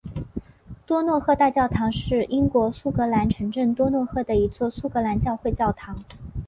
多诺赫大教堂是英国苏格兰城镇多诺赫的一座苏格兰教会教堂。